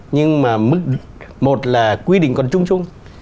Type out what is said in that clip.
nhưng mà mức một là quy định còn trung trung